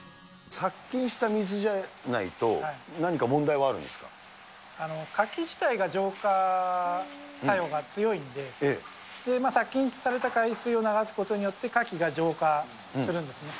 殺菌した水じゃないと、カキ自体が浄化作用が強いんで、殺菌された海水を流すことによって、カキが浄化するんですね。